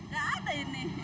gak ada ini